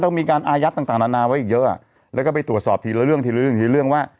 ต้องมีการอายัดต่างนานาไว้อีกเยอะแล้วก็ไปตรวจสอบทีละเรื่องทีละเรื่องทีละเรื่องว่า